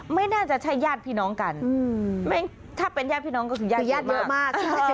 ไม่น่าจะใช่ญาติพี่น้องกันถ้าเป็นญาติพี่น้องก็คือญาติญาติเยอะมาก